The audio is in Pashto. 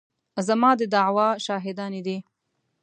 زما د دعوې شاهدانې دي.